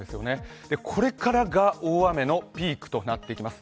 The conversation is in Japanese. これからが大雨のピークとなってきます。